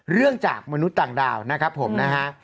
เรื่องจากมนุษย์ต่างดาวนะครับผมนะฮะ